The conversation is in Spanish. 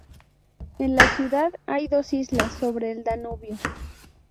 En la ciudad hay dos islas sobre el Danubio.